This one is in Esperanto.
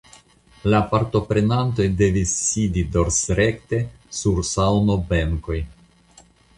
La partoprenantoj devis sidi dorsrekte sur saŭnobenkoj.